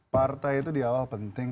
partai itu di awal penting